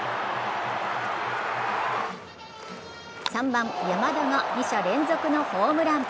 ３番・山田が二者連続のホームラン。